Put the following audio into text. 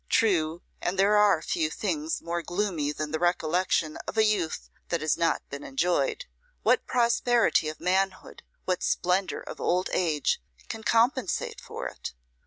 True; and there are few things more gloomy than the recollection of a youth that has not been enjoyed. What prosperity of manhood, what splendour of old age, can compensate for it?